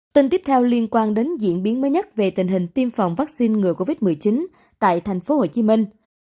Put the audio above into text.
tin tiếp theo liên quan đến diễn biến mới nhất về tình hình tiêm phòng vaccine ngừa covid một mươi chín tại thành phố hồ chí minh